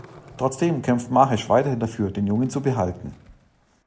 Trotzdem kämpft Mahesh weiterhin dafür den Jungen zu behalten.